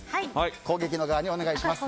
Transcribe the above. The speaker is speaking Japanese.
攻撃側にお願いします。